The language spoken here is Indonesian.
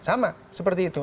sama seperti itu